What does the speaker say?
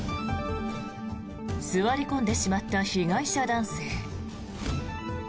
座り込んでしまった被害者男性。